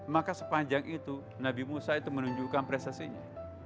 maka sepanjang itu nabi musa itu menunjukkan prestasinya